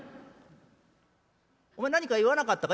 「お前何か言わなかったか？」。